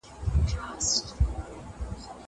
زه هره ورځ سپينکۍ پرېولم.